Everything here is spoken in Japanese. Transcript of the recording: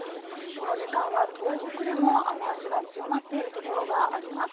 この時間は、東北でも雨足が強まっている所があります。